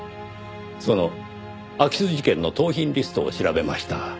その空き巣事件の盗品リストを調べました。